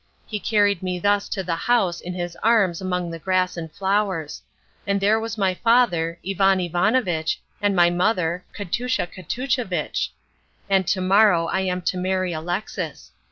He carried me thus to the house in his arms among the grass and flowers; and there was my father, Ivan Ivanovitch, and my mother, Katoosha Katooshavitch. And to morrow I am to marry Alexis.